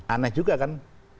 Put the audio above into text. aneh juga kan